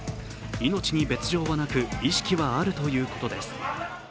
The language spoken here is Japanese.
命に別状はなく、意識はあるということです。